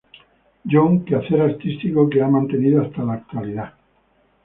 John, quehacer artístico que ha mantenido hasta la actualidad.